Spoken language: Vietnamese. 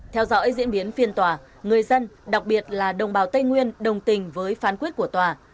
theo dõi diễn biến phiên tòa người dân đặc biệt là đồng bào tây nguyên đồng tình với phán quyết của tòa